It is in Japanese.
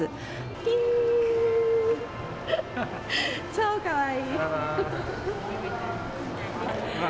超かわいい。